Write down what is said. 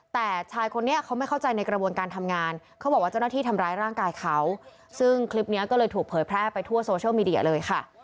แต่ชายคนนี้เขาไม่เข้าใจในกระบวนการทำงานเขาบอกว่าเจ้าหน้าที่ทำร้ายร่างกายเขาซึ่งคลิปนี้ก็เลยถูกเผยแพร่ไปทั่วโซเชียลมีเดียเลยค่ะ